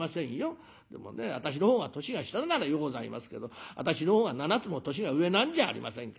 でもね私の方が年が下ならようございますけど私の方が７つも年が上なんじゃありませんか。